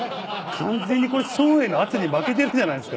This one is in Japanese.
完全にこれ照英の圧に負けてるじゃないですか。